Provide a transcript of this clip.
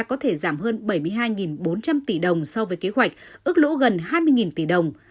có thể giảm hơn bảy mươi hai bốn trăm linh tỷ đồng so với kế hoạch ước lỗ gần hai mươi tỷ đồng